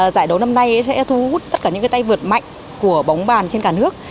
giải đấu năm nay sẽ thu hút tất cả những tay vượt mạnh của bóng bàn trên cả nước